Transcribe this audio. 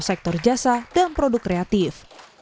sektor jasa dan produk kreatif